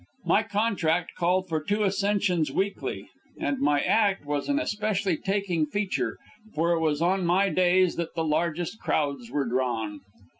My contract called for two ascensions weekly, and my act was an especially taking feature, for it was on my days that the largest crowds were drawn.